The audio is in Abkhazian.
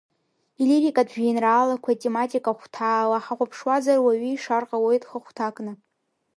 Илирикатә жәеинраалақәа тематика хәҭаала ҳахәаԥшуазар, уаҩы ишар ҟалоит хы-хәҭакны…